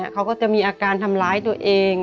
เขาก็จะมีอาการทำร้ายตัวเอง